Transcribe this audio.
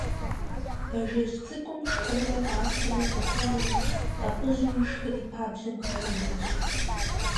Бажэжь цӀыкӀум шхумрэ пӀастэмрэ къыхуэнэри тӀэпӀыжу ишхри пабжьэм хыхьэжащ.